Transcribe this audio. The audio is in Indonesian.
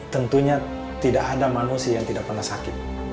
tentunya tidak ada manusia yang tidak pernah sakit